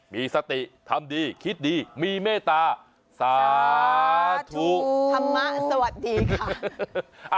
มีสติทำดีคิดดีมีเมตตาสาธุธรรมะสวัสดีค่ะ